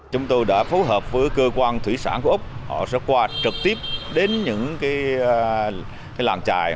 chúng tôi đã phối hợp với cơ quan thủy sản của úc họ sẽ qua trực tiếp đến những làng trài